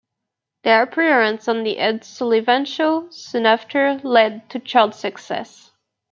Their appearance on "The Ed Sullivan Show" soon after led to chart success.